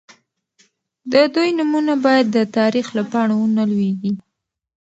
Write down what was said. د دوی نومونه باید د تاریخ له پاڼو ونه لوېږي.